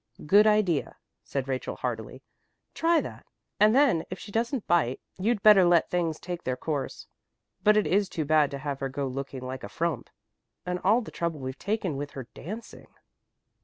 "Good idea," said Rachel heartily. "Try that, and then if she doesn't bite you'd better let things take their course. But it is too bad to have her go looking like a frump, after all the trouble we've taken with her dancing."